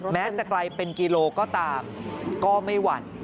แม้จะไกลเป็นกิโลก็ตามก็ไม่หวั่น